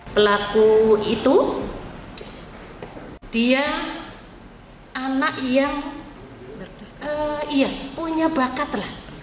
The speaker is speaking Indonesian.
pelaku itu dia anak yang punya bakat lah